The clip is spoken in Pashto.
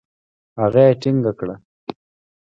هغه يې ټينګه کړه.